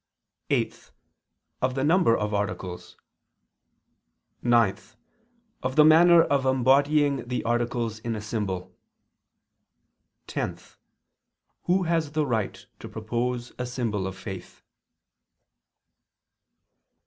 (8) Of the number of articles; (9) Of the manner of embodying the articles in a symbol; (10) Who has the right to propose a symbol of faith?